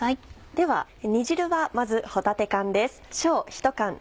では煮汁はまず帆立缶です。